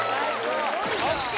ＯＫ